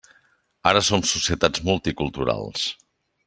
Ara som societats multiculturals.